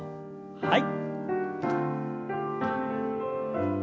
はい。